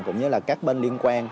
cũng như là các bên liên quan